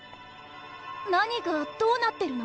何がどうなってるの？